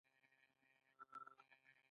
دا د لوړې رتبې اخیستلو په معنی ده.